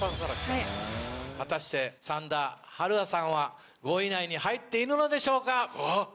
果たして三田春愛さんは５位以内に入っているのでしょうか？